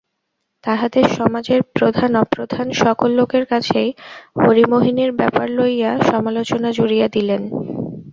তাঁহাদের সমাজের প্রধান-অপ্রধান সকল লোকের কাছেই হরিমোহিনীর ব্যাপার লইয়া সমালোচনা জুড়িয়া দিলেন।